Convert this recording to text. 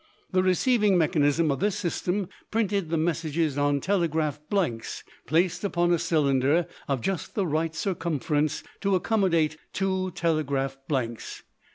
The receiving mechanism of this system printed the messages on telegraph blanks placed upon a cylinder of just the right circumference to accommodate two telegraph blanks.